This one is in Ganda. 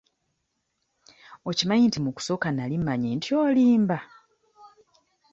Okimanyi nti mu kusooka nali mmanyi nti olimba?